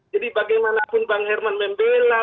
jadi bagaimanapun bang herman membela